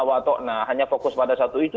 watok nah hanya fokus pada satu itu